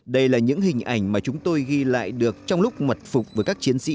đây là những hình ảnh mà chúng tôi ghi lại được trong lúc mật phục với các chiến sĩ